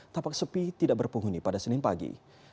tapak sepi tidak berpunggungi pada senin pagi